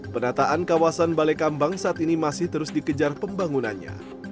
penataan kawasan balekambang saat ini masih terus dikejar pembangunannya